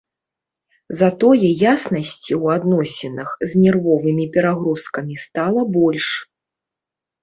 Затое яснасці ў адносінах з нервовымі перагрузкамі стала больш.